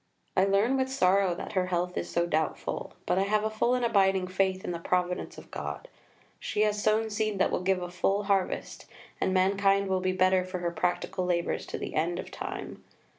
I learn with sorrow that her health is so doubtful, but I have a full and abiding faith in the providence of God. She has sown seed that will give a full harvest, and mankind will be better for her practical labours to the end of time.